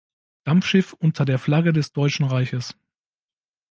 Dampfschiff unter der Flagge des Deutschen Reiches.